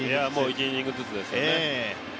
１イニングずつですよね。